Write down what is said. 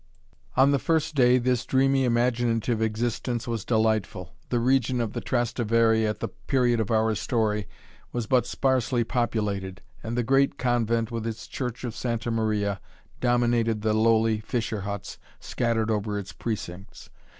On the first day this dreamy, imaginative existence was delightful. The region of the Trastevere at the period of our story was but sparsely populated, and the great convent, with its church of Santa Maria, dominated the lowly fisher huts, scattered over its precincts.